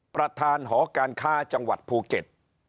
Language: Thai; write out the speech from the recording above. ประธานหอการค้าจังหวัดภูเก็ต